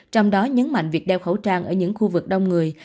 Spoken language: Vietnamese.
trong đó nhấn mạnh việc đeo khẩu trang ở những khu vực đông người